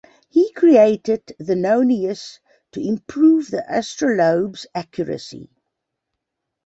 He created the nonius to improve the astrolabe's accuracy.